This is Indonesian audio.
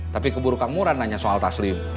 tapi keburu kang muran nanya soal taslim